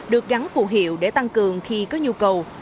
được gắn phù hiệu để tăng cường khi có nhu cầu